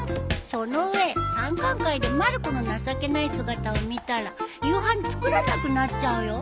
その上参観会でまる子の情けない姿を見たら夕飯作らなくなっちゃうよ。